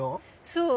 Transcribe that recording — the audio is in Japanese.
そう。